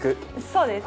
そうです。